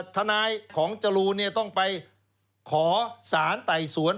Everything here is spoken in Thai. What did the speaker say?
ทนายของจรูนต้องไปขอสารไต่สวน